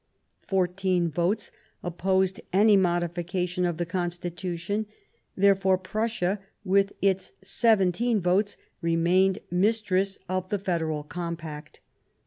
Fourteen votes opposed any modification of the Constitution ; therefore Prussia, with its seventeen votes, remained mistress of the Federal Compact.